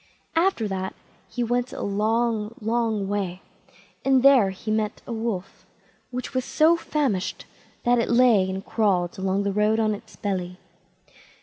After that he went a long, long way, and there met him a Wolf, which was so famished that it lay and crawled along the road on its belly.